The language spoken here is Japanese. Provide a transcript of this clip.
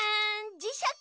じしゃく？